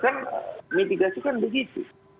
kan mitigasi kan begitu